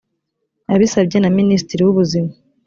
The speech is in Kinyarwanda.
abisabwe na minisitiri w ubuzima